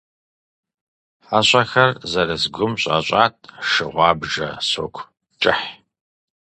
ХьэщӀэхэр зэрыс гум щӀэщӀат шы гъуабжэ соку кӀыхь.